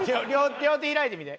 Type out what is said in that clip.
両手開いてみて。